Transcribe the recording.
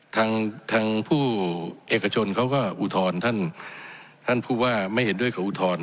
ทางทางผู้เอกชนเขาก็อุทธรณ์ท่านท่านผู้ว่าไม่เห็นด้วยเขาอุทธรณ์